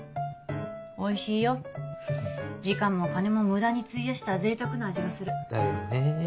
おいしいよ時間も金も無駄に費やした贅沢な味がするだよね